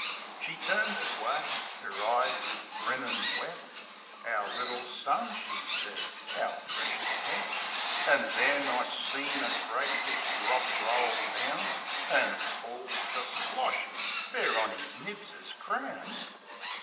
She turns away; 'er eyes is brimmin' wet. "Our little son!" she sez. "Our precious pet!" An' then, I seen a great big drop roll down An fall — kersplosh !— fair on 'is nibs's crown.